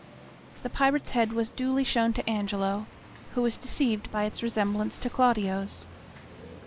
The pirate's head was duly shown to Angelo, who was deceived by its resemblance to Claudio's.